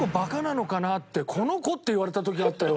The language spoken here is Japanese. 「この子」って言われた時あったよ